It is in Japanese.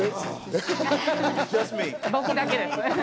僕だけです。